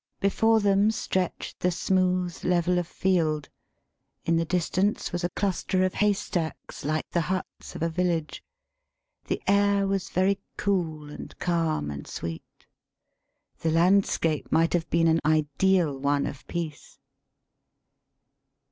Before them 179 THE SPEAKING VOICE stretched the smooth level of field; in the dis tance was a cluster of hay stacks like the huts of a village; the air was very cool and calm and sweet. The landscape might have been an ideal one of peace.